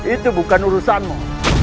itu bukan urusanmu